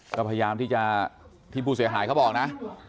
ก็พยายามที่จะที่ผู้เสียหายเขาบอกนะ